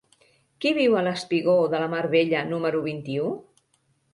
Qui viu al espigó de la Mar Bella número vint-i-u?